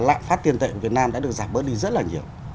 lạm phát tiền tệ của việt nam đã được giảm bớt đi rất là nhiều